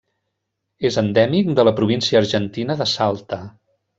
És endèmic de la província argentina de Salta.